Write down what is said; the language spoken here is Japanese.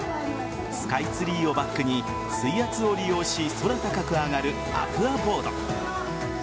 スカイツリーをバックに水圧を利用し空高く上がるアクアボード。